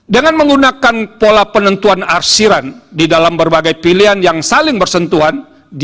dengan menggunakan pola penentuan arsiran di dalam berbagai pilihan yang saling bersentuhan